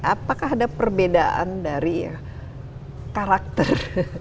apakah ada perbedaan dari karakter